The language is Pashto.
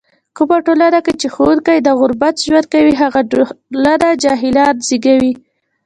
کومه ټولنه کې چې ښوونکی د غربت ژوند کوي، هغه ټولنه جاهلان زږوي.